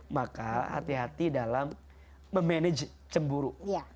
maka hati hati dalam memanage cemburu